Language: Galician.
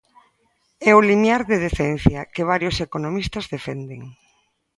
É o "limiar de decencia" que varios economistas defenden.